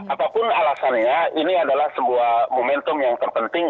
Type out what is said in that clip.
apapun alasannya ini adalah sebuah momentum yang terpenting